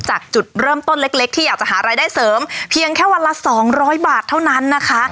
จากจุดเริ่มต้นเล็กที่อยากจะหารายได้เสริมเพียงแค่วันละ๒๐๐บาทเท่านั้นนะคะ